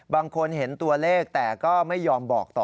บางคนเห็นตัวเลขแต่ก็ไม่ยอมบอกต่อ